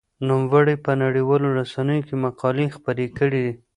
نوموړي په نړيوالو رسنيو کې مقالې خپرې کړې.